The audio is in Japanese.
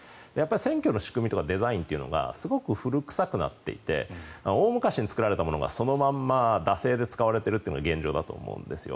選挙の仕組みとかデザインが古臭くなっていて大昔に作られたものがそのまま惰性で使われているというのが現状だと思うんですよ。